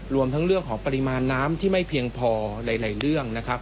รวมทั้งเรื่องของปริมาณน้ำที่ไม่เพียงพอหลายเรื่องนะครับ